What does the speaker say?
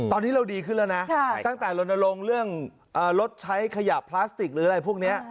ตอนนี้เราดีขึ้นแล้วนะตั้งแต่ลนลงเรื่องรถใช้ขยะพลาสติกหรืออะไรพวกนี้